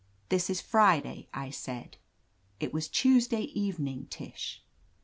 "This is Friday," I said. "It was Tuesday evening, Tish."